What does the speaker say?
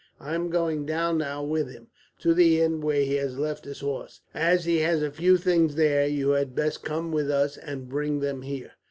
I am going down now with him, to the inn where he has left his horse. As he has a few things there, you had best come with us and bring them here."